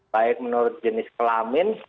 baik menurut jenis kelamin